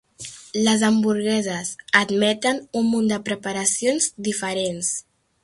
Les hamburgueses admeten un munt de preparacions diferents.